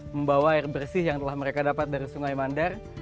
membawa air bersih yang telah mereka dapat dari sungai mandar